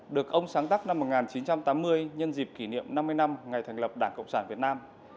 được ông sáng tác năm một nghìn chín trăm tám mươi nhân dịp kỷ niệm năm mươi năm ngày thành lập đảng cộng sản việt nam